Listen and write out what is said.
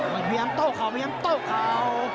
มันพยายามโต้เข่าพยายามโต้เข่า